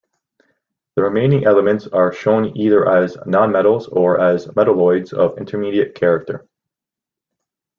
The remaining elements are shown either as nonmetals or as metalloids of intermediate character.